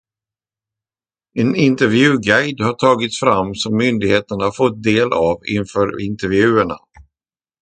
En intervjuguide har tagits fram som myndigheterna fått del av inför intervjuerna.